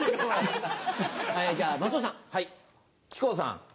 じゃ松尾さん。